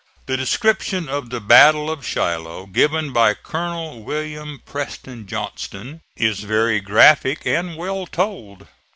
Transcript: The description of the battle of Shiloh given by Colonel Wm. Preston Johnston is very graphic and well told.